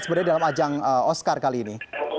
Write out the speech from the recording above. sebenarnya dalam ajang oscar kali ini